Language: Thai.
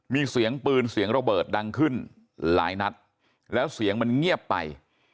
มีเสียงปืนเสียงระเบิดดังขึ้นหลายนัดแล้วเสียงมันเงียบไป